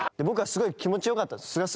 僕はすごい気持ちよかったです。